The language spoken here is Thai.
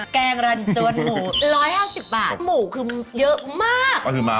แกงรันจนหมู๑๕๐บาทหมูคือเยอะมาก